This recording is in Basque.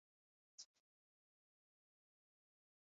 Ezpela dantza taldekoak ziren, denak neskak.